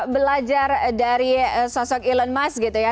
belajar dari sosok elon musk gitu ya